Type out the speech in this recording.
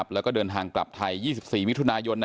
แล้วก็เดินทางกลับไทย๒๔มิถุนายน